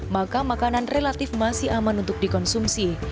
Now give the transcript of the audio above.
maka makanan relatif masih aman untuk dikonsumsi